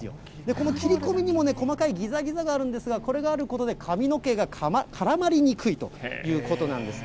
この切り込みにも細かいぎざぎざがあるんですが、これがあることで、髪の毛が絡まりにくいということなんです。